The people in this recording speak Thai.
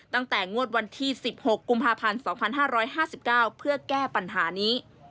ตั้งแต่งวดวันที่๑๖กุมภาพันธ์๒๕๕๙เพื่อแก้ปัญหานี้